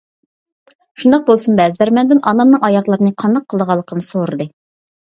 شۇنداق بولسىمۇ بەزىلەر مەندىن ئانامنىڭ ئاياغلىرىنى قانداق قىلىدىغانلىقىنى سورىدى.